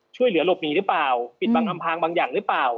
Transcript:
ช่วยเหลือหลบหนีหรือเปล่าปิดบังอำพางบางอย่างหรือเปล่า